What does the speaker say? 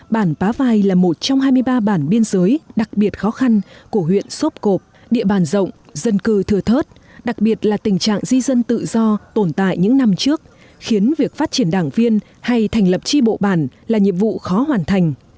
bản pá vai là một trong hai mươi ba bản biên giới đặc biệt khó khăn của huyện sốp cộp địa bàn rộng dân cư thừa thớt đặc biệt là tình trạng di dân tự do tồn tại những năm trước khiến việc phát triển đảng viên hay thành lập tri bộ bản là nhiệm vụ khó hoàn thành